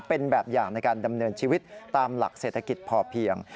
เป็นแบบอย่างในการดำเนินชีวิตตามหลักเศรษฐกิจพอเพียง